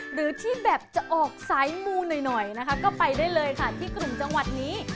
หรือที่แบบจะออกสายมูหน่อยนะคะก็ไปได้เลยค่ะที่กลุ่มจังหวัดนี้